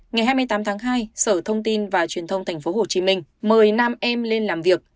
ngày hai mươi tám tháng hai sở thông tin và truyền thông tp hcm mời nam em lên làm việc